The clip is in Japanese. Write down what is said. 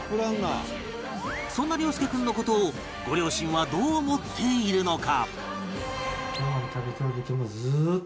そんな諒祐君の事をご両親はどう思っているのか？